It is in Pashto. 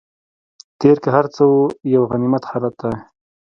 تېر که هر څنګه و یو غنیمت حالت دی.